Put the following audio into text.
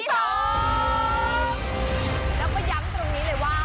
แล้วก็ย้ำตรงนี้เลยว่า